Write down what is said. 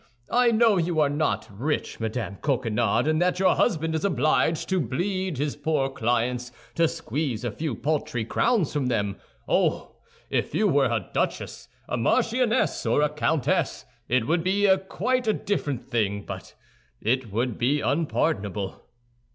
I know you are not rich, Madame Coquenard, and that your husband is obliged to bleed his poor clients to squeeze a few paltry crowns from them. Oh! If you were a duchess, a marchioness, or a countess, it would be quite a different thing; it would be unpardonable."